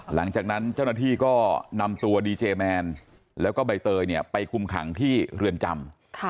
หลังจากนั้นเจ้าหน้าที่ก็นำตัวดีเจแมนแล้วก็ใบเตยเนี่ยไปคุมขังที่เรือนจำ